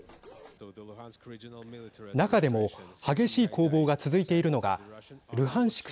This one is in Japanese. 中でも激しい攻防が続いているのがルハンシク